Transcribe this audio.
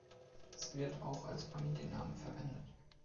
Es wird auch als Familienname verwendet.